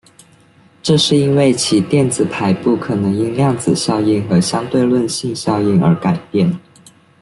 这是因为其电子排布可能因量子效应和相对论性效应而改变。